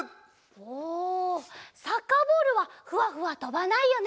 おおサッカーボールはふわふわとばないよね。